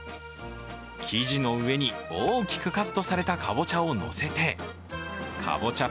生地の上に、大きくカットされたかぼちゃをのせてかぼちゃ